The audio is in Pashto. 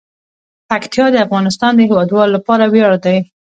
پکتیا د افغانستان د هیوادوالو لپاره ویاړ دی.